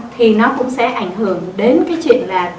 thì nó cũng sẽ ảnh hưởng đến cái chuyện là